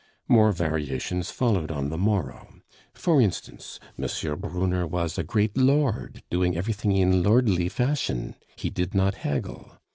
More variations followed on the morrow. For instance M. Brunner was a great lord, doing everything in lordly fashion; he did not haggle.